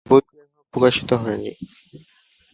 বইটি এখনো প্রকাশিত হয়নি।